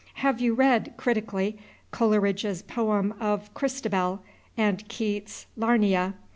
Have you read, critically, Coleridge's poem of "Christabel," and Keats's "Lamia"?